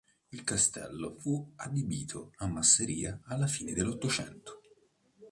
Il castello fu adibito a masseria alla fine dell'Ottocento.